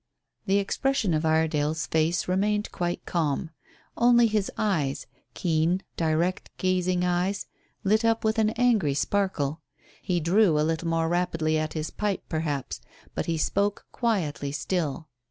The expression of Iredale's face remained quite calm. Only his eyes keen, direct gazing eyes lit up with an angry sparkle. He drew a little more rapidly at his pipe, perhaps, but he spoke quietly still.